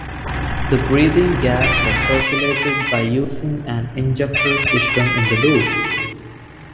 The breathing gas was circulated by using an injector system in the loop.